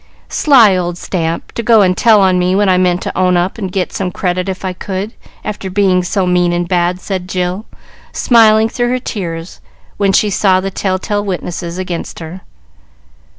"Sly old stamp! To go and tell on me when I meant to own up, and get some credit if I could, after being so mean and bad," said Jill, smiling through her tears when she saw the tell tale witnesses against her.